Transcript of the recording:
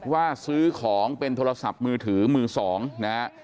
ว่าซื้อของเป็นโทรศัพท์มือถือมือสองนะฮะ